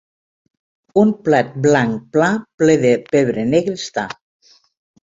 Un plat blanc pla ple de pebre negre està.